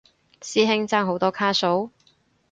師兄爭好多卡數？